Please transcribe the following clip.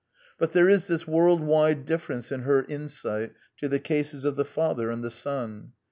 But there is this world wide difiference in her insight to the cases of the father and the son.